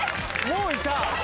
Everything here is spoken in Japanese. もういた。